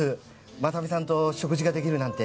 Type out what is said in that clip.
真実さんと食事ができるなんて。